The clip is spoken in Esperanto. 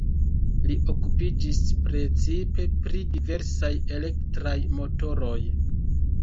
Li okupiĝis precipe pri diversaj elektraj motoroj.